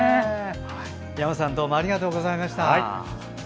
やまさんどうもありがとうございました。